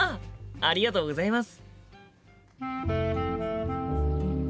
ありがとうございます。